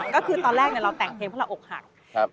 ก็คือตอนแรกเราแต่งเพลงเพราะเราอกหัก